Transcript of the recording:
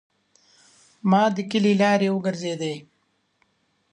ما د کلي لارې وګرځیدې.